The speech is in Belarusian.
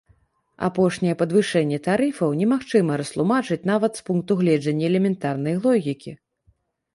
Апошняе падвышэнне тарыфаў немагчыма растлумачыць нават з пункту гледжання элементарнай логікі.